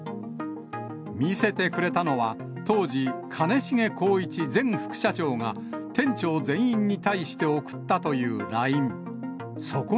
見せてくれたのは、当時、兼重宏一前社長が店長全員に対して送ったというＬＩＮＥ。